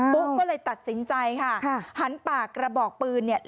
ุ๊กก็เลยตัดสินใจค่ะหันปากกระบอกปืนเนี่ย